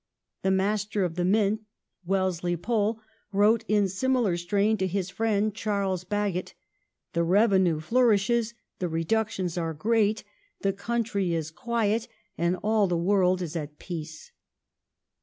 The ^^^^ Master of the Mint (Wellesley Pole) wrote in similar strain to his friend Charles Bagot : *'the revenue flourishes, the reductions are great, the country is quiet, and all the world is at peace